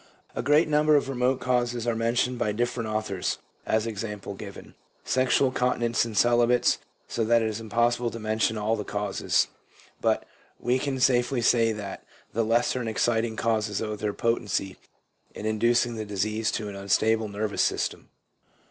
A great number of remote causes are mentioned by different authors — as, e.g. y sexual con tinence in celibates ; so that it is impossible to mention all the causes ; but we can safely say that the lesser and exciting causes owe their potency in inducing the disease to an unstable nervous system.